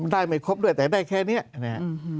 ได้ไม่ครบด้วยแต่ได้แค่นี้นะครับ